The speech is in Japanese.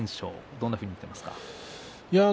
どういうふうに見ていますか？